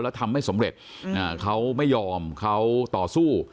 แล้วทำไม่สำเร็จเขาไม่ยอมเขาต่อสู้